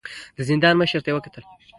د زندان مشر ته يې وکتل.